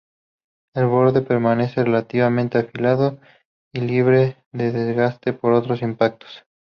El borde permanece relativamente afilado y libre de desgaste por otros impactos.